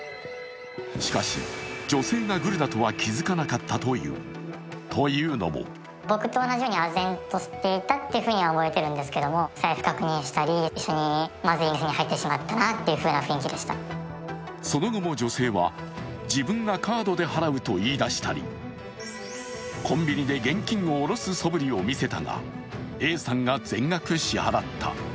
しかし、女性がグルだとは気づかなかったという、というのもその後も女性は自分がカードで払うと言い出したりコンビニで現金を下ろすそぶりを見せたが、Ａさんが全額支払った。